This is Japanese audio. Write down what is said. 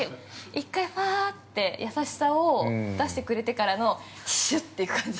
１回、ふわって優しさを出してくれてからのシュッという感じ。